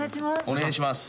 お願いします。